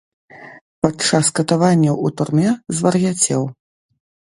Падчас катаванняў у турме звар'яцеў.